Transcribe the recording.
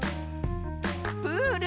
プール。